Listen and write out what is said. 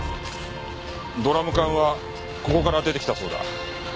ドラム缶はここから出てきたそうだ。